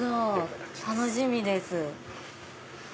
楽しみです。